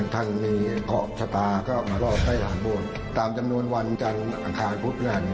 ทั้งมีเคราะห์ชะตาก็มารอดให้หลานโบสถ์ตามจำนวนวันจัดขางพุฒิงาน